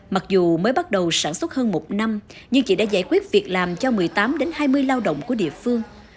mặc dù mới bắt đầu sản xuất hơn một năm nhưng chị đã giải quyết việc làm cho một mươi tám hai mươi lao động của địa phương